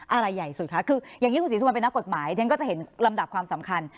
อะไรใหญ่สุดคะคืออย่างนี้คุณศรีสุวรรณเป็นนักกฎหมายฉันก็จะเห็นลำดับความสำคัญ